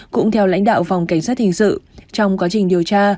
cũng theo lãnh đạo phòng cảnh sát hình sự trong quá trình điều tra